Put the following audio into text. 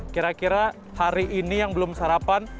kira kira hari ini yang belum sarapan